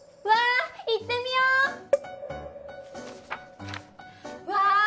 「わー行ってみよー」